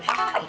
nggak di paham